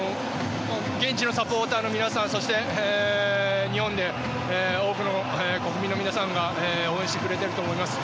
現地のサポーターの皆さんそして、日本で多くの国民の皆さんが応援してくれていると思います。